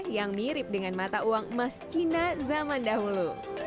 yang mirip dengan mata uang emas cina zaman dahulu